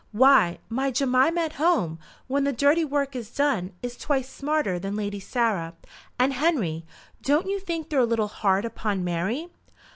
"Why, my Jemima at home, when the dirty work is done, is twice smarter than Lady Sarah. And, Henry, don't you think they're a little hard upon Mary?"